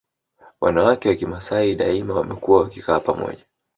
Wanawake wa Kimasai daima wamekuwa wakikaa pamoja